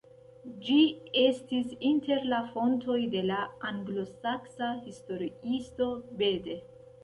Ĝi estis inter la fontoj de la anglosaksa historiisto Bede.